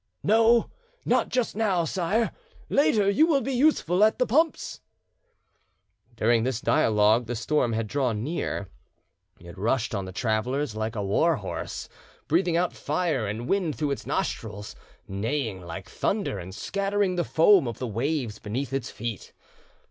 "No, not just now, sire; later you will be useful at the pumps." During this dialogue the storm had drawn near; it rushed on the travellers like a war horse, breathing out fire and wind through its nostrils, neighing like thunder, and scattering the foam of the waves beneath its feet.